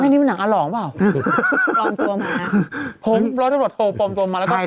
นี่มันหนังอารองหรอผมกลัวตัวดีแล้วไหลเยอร์